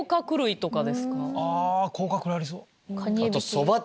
あ甲殻類ありそう。